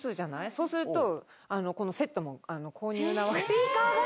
そうすると、このセットも購入なわけです。